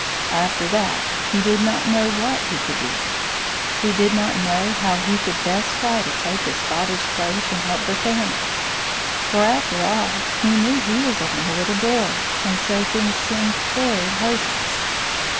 After that, he did not know what he could do! He did not know how he could best try to take his father's place and help the family; for, after all, he knew he was only a little boy, and so things seemed very hopeless!